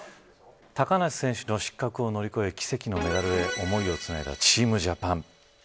高梨選手の失格を乗り越え奇跡のメダルへ思いをつないだチームジャパン。